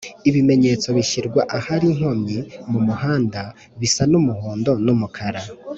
ibimenyetso bishyirwa Ahari inkomyi mumuhanda bisa n’umuhondo n’umukara